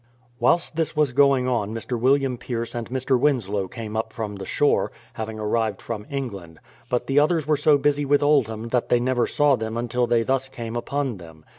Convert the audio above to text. Whilst this was going on Mr. William Pierce and Mr. Winslow came up from the shore, having arrived from England; but the others were so busy with Oldham that they never saw them until they thus came upon them.